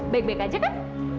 baik baik aja kan